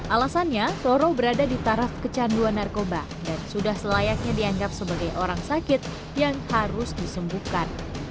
alasannya roro berada di taraf kecanduan narkoba dan sudah selayaknya dianggap sebagai orang sakit yang harus disembuhkan